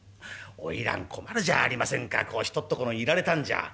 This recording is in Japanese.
花魁困るじゃありませんかこうひとっところにいられたんじゃ。